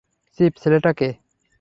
Chief, ছেলেটা কে?